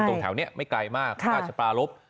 ตรงแถวนี้ไม่ไกลมากราชปรารบ